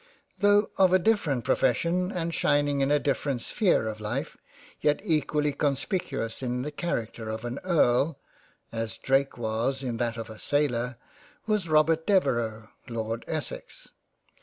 Though of a different profession, and shining in a different sphere of Life, yet equally conspicuous in the Character of an Earl y as Drake was in that of a Sailor, was Robert Devereux Lord Essex.